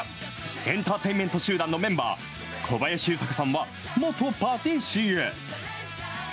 エンターテインメント集団のメンバー、小林豊さんは、元パティシエ。